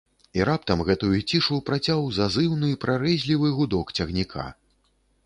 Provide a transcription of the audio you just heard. І раптам гэтую цішу працяў зазыўны прарэзлівы гудок цягніка.